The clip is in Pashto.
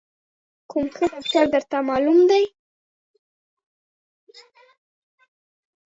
کوم ښه ډاکتر درته معلوم دی؟